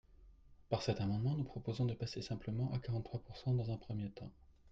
Par cet amendement, nous proposons de passer simplement à quarante-trois pourcent dans un premier temps.